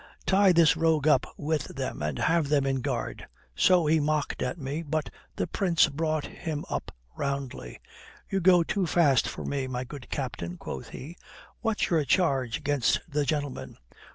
Tie this rogue up with them and have them in guard.' So he mocked at me, but the Prince brought him up roundly. "'You go too fast for me, my good captain,' quoth he. 'What's your charge against the gentleman?